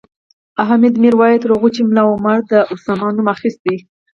حامد میر وایي تر هغو چې ملا عمر د اسامه نوم اخیست